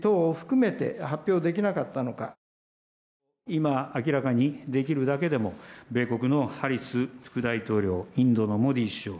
今、明らかにできるだけでも米国のハリス副大統領インドのモディ首相